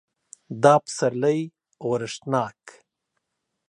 دا پسرلی اورښتناک